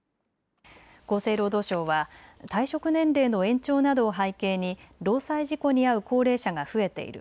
厚生労働省は退職年齢の延長などを背景に労災事故に遭う高齢者が増えている。